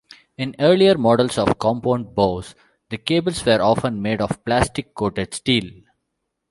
In earlier models of compound bows, the cables were often made of plastic-coated steel.